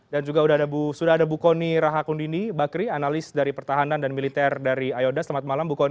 dan juga sudah ada bu kony rahakundini bakri analis dari pertahanan dan militer dari iodas selamat malam bu kony